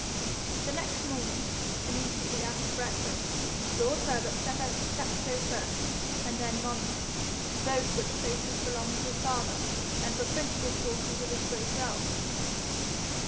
The next morning, immediately after breakfast, lord Herbert set out for Chepstow first and then Monmouth, both which places belonged to his father, and were principal sources of his great wealth.